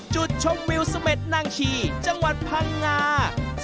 จุดชมวิวเสม็ดนางชีจังหวัดพังงา